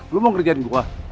lu mau ngerjain gua